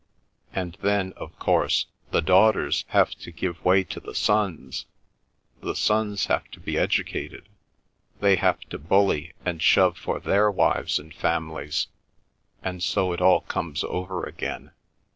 And then, of course, the daughters have to give way to the sons; the sons have to be educated; they have to bully and shove for their wives and families, and so it all comes over again.